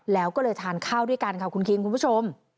แล้วก็เลยทานข้าวด้วยกันค่ะคุณคิงคุณผู้ชม